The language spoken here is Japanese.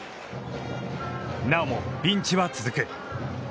なおもピンチは続く。